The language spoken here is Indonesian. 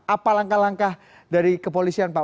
apa langkah langkah dari kepolisian pak